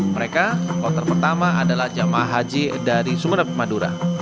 mereka lontar pertama adalah jemaah haji dari sumerab madura